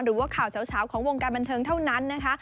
หรือว่าข่าวเฉาของวงการบันเทิงเท่านั้นนะคะ